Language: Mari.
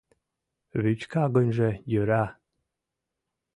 Вӱчка гынже йӧра...